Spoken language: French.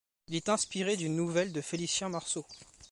Il est inspiré d'une nouvelle de Félicien Marceau.